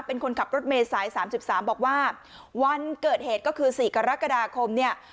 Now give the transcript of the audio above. เป็นคนขับรถเมษาย๓๓บอกว่าวันเกิดเหตุก็คือ๔กรกฎาคมเนี่ย